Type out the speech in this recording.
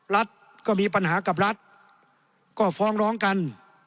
รัฐก็มีปัญหากับรัฐก็ฟ้องร้องกัน